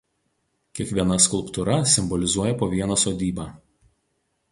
Kiekviena skulptūra simbolizuoja po vieną sodybą.